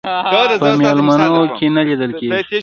په میلمنو کې نه لیدل کېږي.